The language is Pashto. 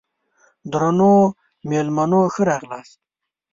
درنو مېلمنو ښه راغلاست!